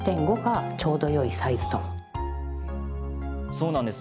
そうなんです。